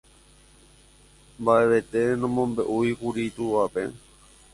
Mbaʼevete nomombeʼúikuri itúvape.